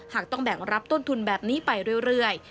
ต้องแบ่งรับต้นทุนแบบนี้ไปเรื่อย